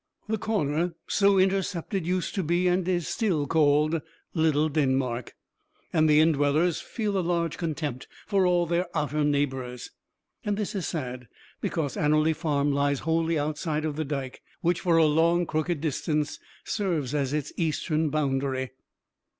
The corner so intercepted used to be and is still called "Little Denmark"; and the in dwellers feel a large contempt for all their outer neighbors. And this is sad, because Anerley Farm lies wholly outside of the Dike, which for a long crooked distance serves as its eastern boundary.